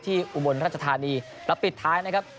อุบลราชธานีแล้วปิดท้ายนะครับ